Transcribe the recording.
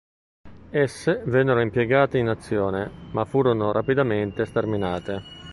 Esse vennero impiegate in azione, ma furono rapidamente sterminate.